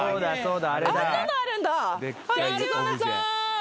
あんなのあるんだ